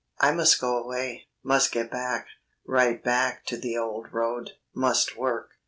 I must go away; must get back, right back to the old road, must work.